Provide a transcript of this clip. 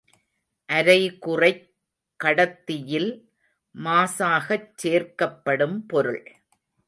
அரைகுறைக் கடத்தியில் மாசாகச் சேர்க்கப்படும் பொருள்.